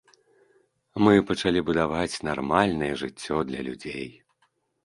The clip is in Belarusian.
Мы пачалі будаваць нармальнае жыццё для людзей.